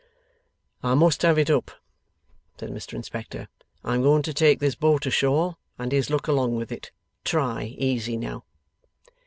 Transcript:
'I must have it up,' said Mr Inspector. 'I am going to take this boat ashore, and his luck along with it. Try easy now.